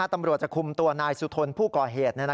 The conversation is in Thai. ตำรวจคลุมตัวนายสุโทนแบบผู้ก่อเหตุ